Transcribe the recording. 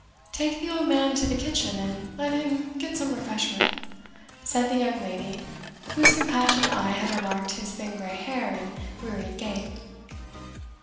"Take the old man into the kitchen, and let him get some refreshment," said the young lady, whose compassionate eye had remarked his thin grey hair and wearied gait.